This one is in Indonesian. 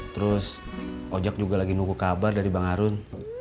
terus ojek juga lagi nunggu kabar dari bang harun